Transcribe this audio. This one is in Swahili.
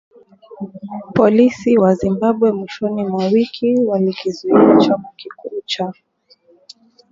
Polisi wa Zimbabwe mwishoni mwa wiki walikizuia chama kikuu cha